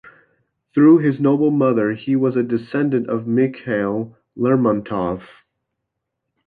Through his noble mother, he was a descendant of Mikhail Lermontov.